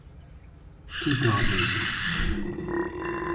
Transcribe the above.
Tu diavêjî.